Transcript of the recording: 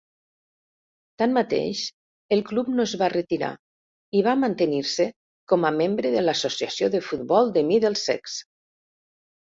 Tanmateix, el club no es va retirar i va mantenir-se com a membre de l'Associació de Futbol de Middlesex.